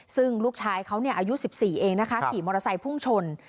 ซึ่งลูกชายเขาอายุ๑๔เองนะคะขี่มอเตอร์ไซค์พุ่งชน